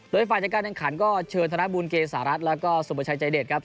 โดยไฟล์จากการแข่งขันก็เชิญธนบุญเกสารัสแล้วก็สมบัติชายใจเดชครับ